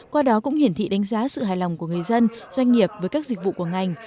qua đó cũng hiển thị đánh giá sự hài lòng của người dân doanh nghiệp với các dịch vụ của ngành